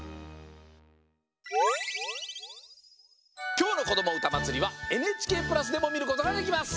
きょうの「こどもうたまつり」はＮＨＫプラスでもみることができます。